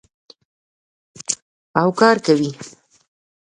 او کار کوي.